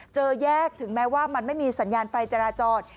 แยกถึงแม้ว่ามันไม่มีสัญญาณไฟจราจร